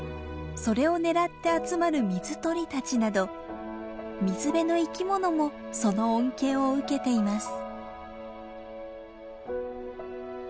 それを狙って集まる水鳥たちなど水辺の生き物もその恩恵を受けています。